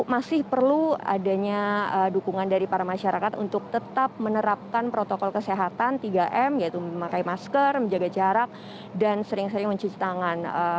masih perlu adanya dukungan dari para masyarakat untuk tetap menerapkan protokol kesehatan tiga m yaitu memakai masker menjaga jarak dan sering sering mencuci tangan